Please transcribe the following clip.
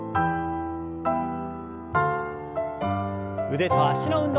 腕と脚の運動です。